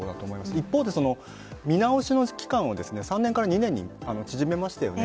一方で見直しの期間は３年から２年に縮めましたよね。